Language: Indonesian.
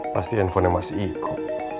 pasti handphone masih ikut